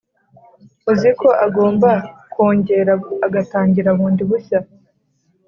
uziko agomba kongera agatangira bundi bushya